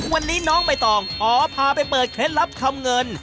วันนี้น้องใบตองขอพาไปเปิดเคล็ดลับคำเงิน